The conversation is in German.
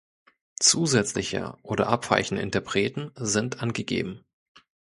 Zusätzliche oder abweichende Interpreten sind angegeben.